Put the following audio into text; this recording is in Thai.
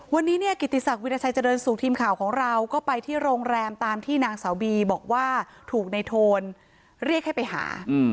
วันนี้เนี่ยกิติศักดิราชัยเจริญสุขทีมข่าวของเราก็ไปที่โรงแรมตามที่นางสาวบีบอกว่าถูกในโทนเรียกให้ไปหา